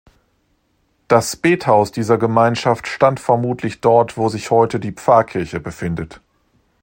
Das Bethaus dieser Gemeinschaft stand vermutlich dort, wo sich heute die Pfarrkirche befindet.